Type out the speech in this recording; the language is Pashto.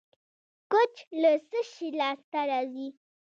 کوچ له څه شي لاسته راځي؟